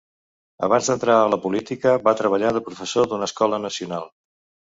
Abans d'entrar a la política va treballar de professor d"una escola nacional.